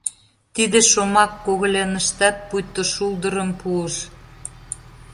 Тиде шомак когыляныштат пуйто шулдырым пуыш.